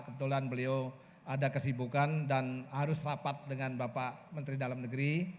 kebetulan beliau ada kesibukan dan harus rapat dengan bapak menteri dalam negeri